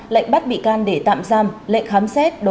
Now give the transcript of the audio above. lệnh bắt bị can để tạm giam